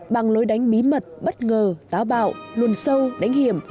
bằng lối đánh mí mật bất ngờ táo bạo luồn sâu đánh hiểm